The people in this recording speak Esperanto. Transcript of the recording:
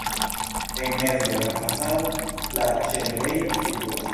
En mezo de la fasado la ĉefenirejo situas.